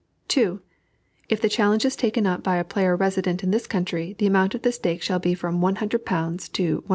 If the challenge is taken up by a player resident in this country, the amount of stake shall be from £100 to £150.